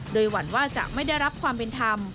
โดยหวั่นว่าจะไม่ได้รับความเป็นธรรม